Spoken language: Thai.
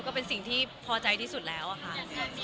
ก็เป็นสิ่งที่พอใจที่สุดแล้วค่ะ